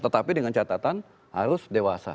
tetapi dengan catatan harus dewasa